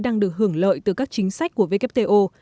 đang được hưởng lợi từ các chính sách của wto